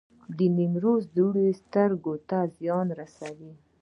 د نیمروز دوړې سترګو ته زیان رسوي؟